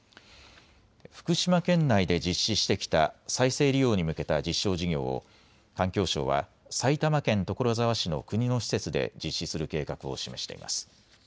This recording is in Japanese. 福島県内で実施してきた再生利用に向けた実証事業を環境省は埼玉県所沢市の国の施設で実施する計画を示しています。